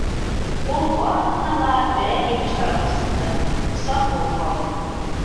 Ул барыһына ла берәр емеш таратып сыҡты —саҡ булып ҡалды.